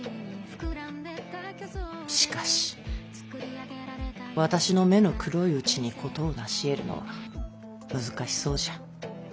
しかし私の目の黒いうちに事を成し得るのは難しそうじゃ。